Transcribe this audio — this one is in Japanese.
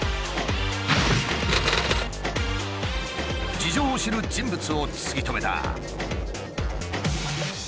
事情を知る人物を突き止めた。